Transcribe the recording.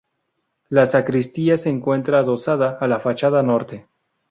La sacristía se encuentra adosada a la fachada norte.